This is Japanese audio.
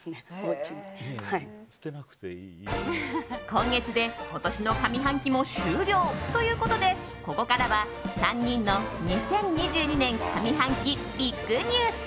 今月で今年の上半期も終了ということでここからは３人の２０２２年上半期ビッグニュース。